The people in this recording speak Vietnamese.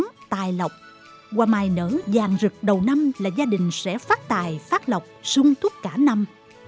nếu màu vàng được phát triển hoa mai nở vàng rực đầu năm là gia đình sẽ phát tài phát lọc sung thuốc cả năm